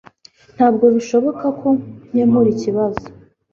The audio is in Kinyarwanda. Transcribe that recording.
Ntabwo bishoboka ko nkemura ikibazo.